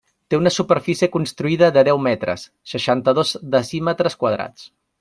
Té una superfície construïda de deu metres, seixanta-dos decímetres quadrats.